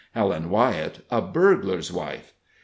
Helen Wyett a burglar's wife!